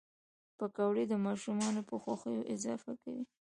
پکورې د ماشومانو په خوښیو اضافه کوي